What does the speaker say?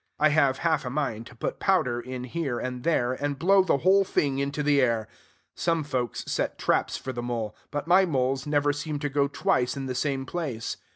I have half a mind to put powder in here and there, and blow the whole thing into the air. Some folks set traps for the mole; but my moles never seem to go twice in the same place.